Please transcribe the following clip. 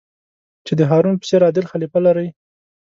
چې د هارون په څېر عادل خلیفه لرئ.